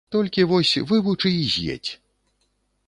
Толькі, вось, вывучы і з'едзь.